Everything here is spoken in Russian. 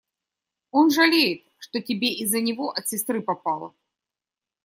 Он жалеет, что тебе из-за него от сестры попало.